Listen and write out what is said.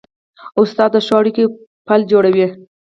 استاد د ښو اړیکو پل جوړوي.